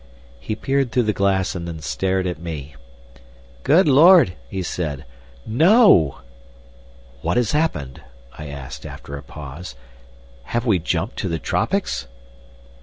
He peered through the glass and then stared at me. "Good Lord!" he said. "No!" "What has happened?" I asked after a pause. "Have we jumped to the tropics?"